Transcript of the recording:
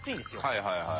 はいはいはいはい。